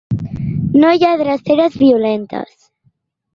No hi ha dreceres violentes.